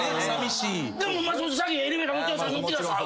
でも松本さん先エレベーター乗ってください。